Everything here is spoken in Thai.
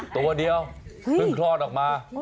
ตัวเดียวเพิ่งคลอดออกมา